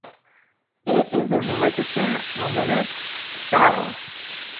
It is in the Richardson Romanesque style.